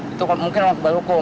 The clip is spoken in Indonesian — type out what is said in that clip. itu mungkin orang kebal hukum